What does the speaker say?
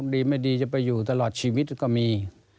ดีไม่ดีจะไปอยู่ตลอดชีวิตก็มี